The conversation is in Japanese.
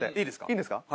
いいんですか？